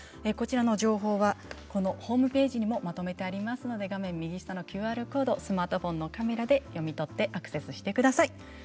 こちらの情報はホームページにもまとめてありますので画面右下のＱＲコードスマートフォンのカメラで読み取ってアクセスしてください。